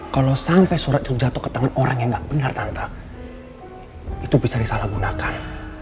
kalau sampai surat itu jatuh ke tangan orang yang nggak benar tante itu bisa disalahgunakan